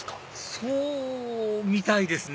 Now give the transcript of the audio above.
そうみたいですね